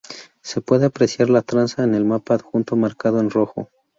Se puede apreciar la traza en el mapa adjunto marcado en rojo.